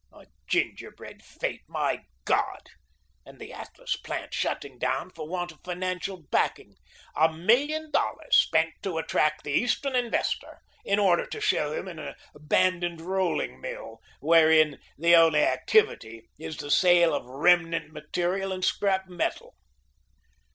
A gingerbread fete, my God! and the Atlas plant shutting down for want of financial backing. A million dollars spent to attract the Eastern investor, in order to show him an abandoned rolling mill, wherein the only activity is the sale of remnant material and scrap steel."